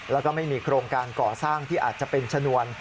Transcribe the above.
แล้วก็ไม่มีโครงการก่อสร้างที่อาจจะเป็นชนวน